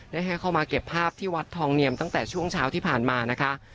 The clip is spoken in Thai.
ให้เข้ามาเก็บภาพที่วัดทองเนียมตั้งแต่ช่วงเช้าที่ผ่านมานะคะ